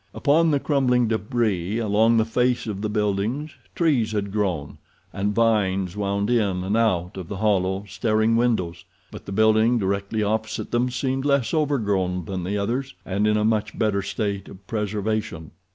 Upon the crumbling debris along the face of the buildings trees had grown, and vines wound in and out of the hollow, staring windows; but the building directly opposite them seemed less overgrown than the others, and in a much better state of preservation.